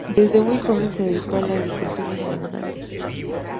Desde muy joven, se dedicó a la agricultura y a la ganadería.